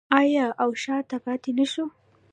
آیا او شاته پاتې نشو؟